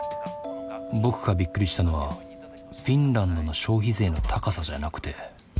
僕がびっくりしたのはフィンランドの消費税の高さじゃなくて。